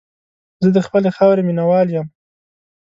زه د خپلې خاورې مینه وال یم.